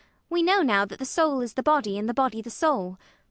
We know now that the soul is the body, and the body the soul.